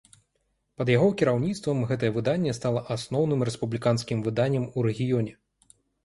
Пад яго кіраўніцтвам гэтае выданне стала асноўным рэспубліканскім выданнем у рэгіёне.